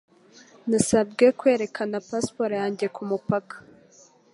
Nasabwe kwerekana pasiporo yanjye kumupaka.